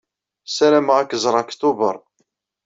Ssarameɣ ad k-ẓreɣ deg Tubeṛ.